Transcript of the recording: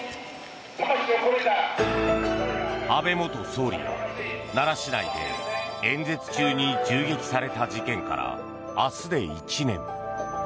安倍元総理が奈良市内で演説中に銃撃された事件から明日で１年。